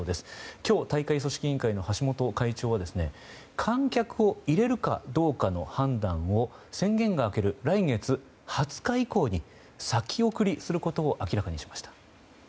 今日、大会組織委員会の橋本会長は観客を入れるかどうかの判断を宣言が明ける来月２０日以降に先送りすること明らかにしました。